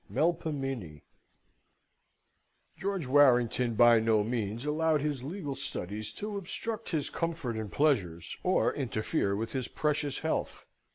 Melpomene George Warrington by no means allowed his legal studies to obstruct his comfort and pleasures, or interfere with his precious health.